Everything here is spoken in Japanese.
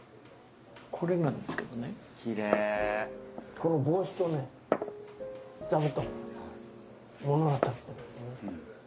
この帽子とね座布団が物語ってるんですね。